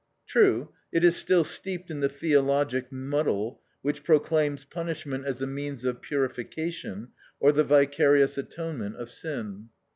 True, it is still steeped in the theologic muddle, which proclaims punishment as a means of purification, or the vicarious atonement of sin.